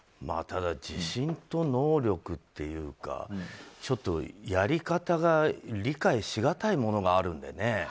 ただ、自信と能力っていうかちょっとやり方が理解しがたいものがあるんでね。